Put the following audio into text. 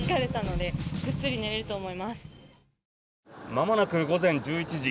まもなく午前１１時。